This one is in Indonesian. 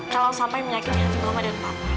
kalau sampai menyakitkan rumah dan rumahmu